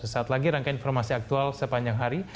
sesaat lagi rangkaian informasi aktual sepanjang hari